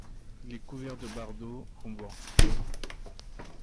Il est couvert de bardeaux en bois.